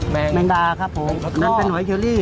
แมงแมงดาครับผมนั่นเป็นหอยเชอรี่